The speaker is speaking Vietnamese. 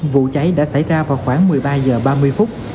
vụ cháy đã xảy ra vào khoảng một mươi ba h ba mươi phút